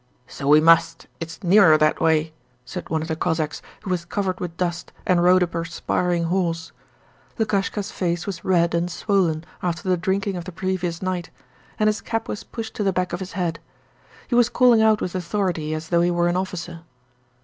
'So we must, it's nearer that way,' said one of the Cossacks who was covered with dust and rode a perspiring horse. Lukashka's face was red and swollen after the drinking of the previous night and his cap was pushed to the back of his head. He was calling out with authority as though he were an officer.